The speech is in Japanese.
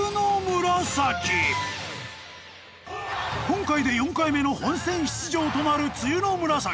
今回で４回目の本選出場となる露の紫。